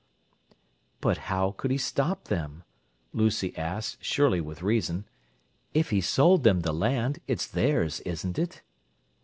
"But how could he stop them?" Lucy asked, surely with reason. "If he sold them the land, it's theirs, isn't it?"